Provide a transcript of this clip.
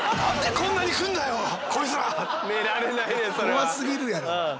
怖すぎるやろ。